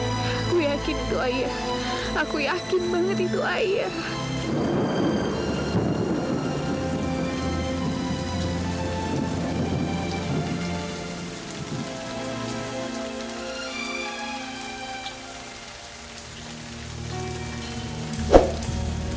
aku yakin itu ayah aku yakin banget itu ayah